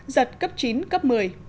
giật cấp chín cấp một mươi